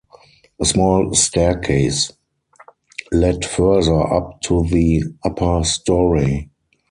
A small staircase led further up to the upper storey.